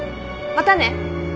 またね。